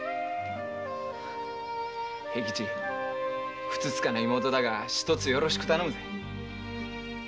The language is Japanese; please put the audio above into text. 平吉ふつつかな妹だがよろしく頼むぜ。